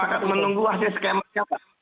ya kita sepakat menunggu hasil skemanya